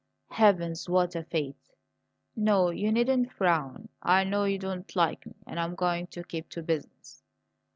Heavens, what a fate! No, you needn't frown. I know you don't like me, and I am going to keep to business.